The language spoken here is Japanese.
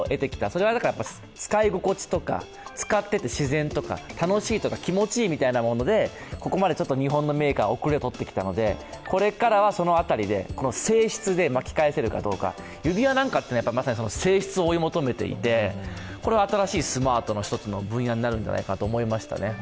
それは使い心地とか、使っていて自然とか、楽しいとか、気持ちいいみたいなもので、ここまで日本のメーカーは遅れをとってきたのでこれからはその辺りで、性質で巻き返せるかどうか、指輪なんかというのはまさに性質を追い求めていて、新しいスマートの１つの分野になるんじゃないかと思いましたね。